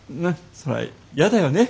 そりゃ嫌だよね